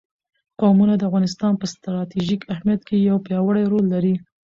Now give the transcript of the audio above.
قومونه د افغانستان په ستراتیژیک اهمیت کې یو پیاوړی رول لري.